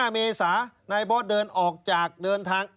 เมษานายบอสเดินออกจากเดินทาง